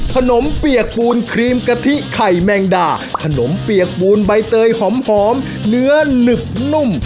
เปียกปูนครีมกะทิไข่แมงดาขนมเปียกปูนใบเตยหอมเนื้อหนึบนุ่ม